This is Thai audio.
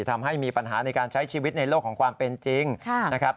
ทำให้มีปัญหาในการใช้ชีวิตในโลกของความเป็นจริงนะครับ